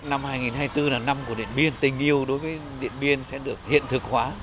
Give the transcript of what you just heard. năm hai nghìn hai mươi bốn là năm của điện biên tình yêu đối với điện biên sẽ được hiện thực hóa